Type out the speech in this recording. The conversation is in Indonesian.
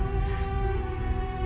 cuma satu hal